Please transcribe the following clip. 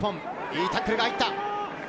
いいタックルが入った。